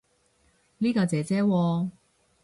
呢個姐姐喎